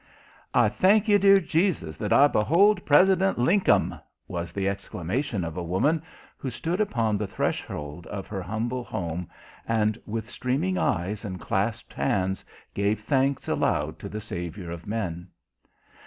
"I thank you, dear Jesus, that I behold President Linkum!" was the exclamation of a woman who stood upon the threshold of her humble home, and with streaming eyes and clasped hands gave thanks aloud to the Saviour of men.